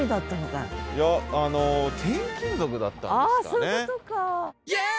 あそういうことか。